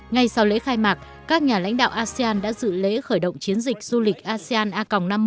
ngay sau lễ khai mạc các nhà lãnh đạo asean đã dự lễ khởi động chiến dịch du lịch asean a năm mươi